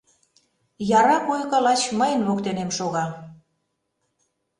Яра койка лач мыйын воктенем шога.